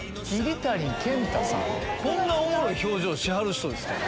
こんなおもろい表情しはる人ですかね。